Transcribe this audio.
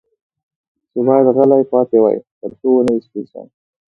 چې باید غلی پاتې وای، تر څو و نه وېشتل شم.